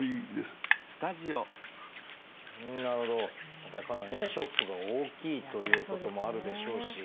やっぱりかなりねショックが大きいということもあるでしょうし。